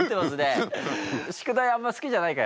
宿題あんま好きじゃないか？